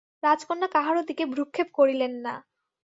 রাজকন্যা কাহারও দিকে ভ্রূক্ষেপ করিলেন না।